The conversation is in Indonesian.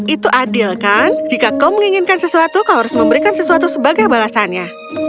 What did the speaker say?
itu adil kan jika kau menginginkan sesuatu kau harus memberikan sesuatu sebagai balasannya